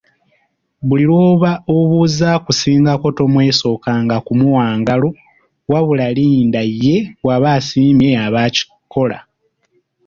Buli lw’oba obuuza, akusingako tomwesokanga kumuwa ngalo, wabula linda ye bw’aba asiimye y’aba akikola.